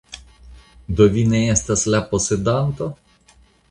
Do vi ne estas la posedanto?